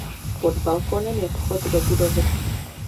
Pod balkonem je vchod do budovy.